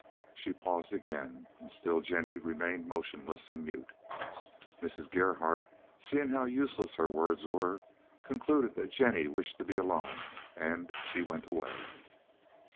She paused again, and still Jennie remained motionless and mute. Mrs. Gerhardt, seeing how useless her words were, concluded that Jennie wished to be alone, and she went away.